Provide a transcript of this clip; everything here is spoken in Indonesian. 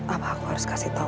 apa aku harus kasih tahu